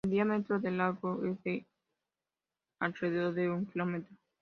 El diámetro del lago es de alrededor de un kilómetro.